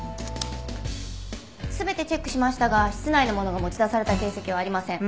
全てチェックしましたが室内のものが持ち出された形跡はありません。